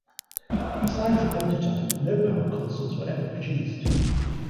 Besides a prototype, no Power Consoles were ever produced.